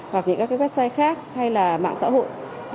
hoặc những các website khác hay là mạng xã hội